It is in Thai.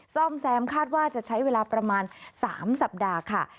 ซ่อมแซมคาดว่าจะใช้เวลาประมาณ๓สัปดาห์ค่ะ